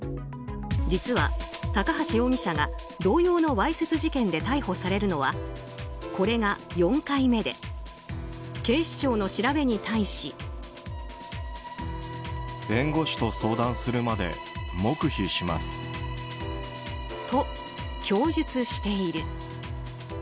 実は高橋容疑者が同様のわいせつ事件で逮捕されるのは、これが４回目で警視庁の調べに対し。と供述している。